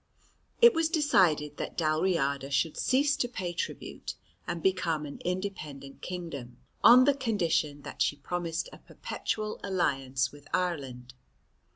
It was decided that Dalriada should cease to pay tribute and become an independent kingdom, on the condition that she promised a perpetual alliance with Ireland.